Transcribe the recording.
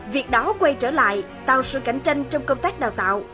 việc đó quay trở lại tạo sự cạnh tranh trong công tác đào tạo